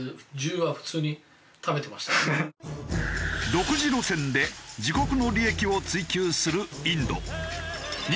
独自路線で自国の利益を追求するインド。